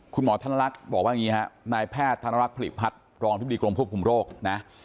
คุณหมอธนรักษ์บอกว่าอย่างนี้ครับนายแพทย์ธนรักษ์ผลิตผัดรองพิธีกรมควบคุมโรคนะ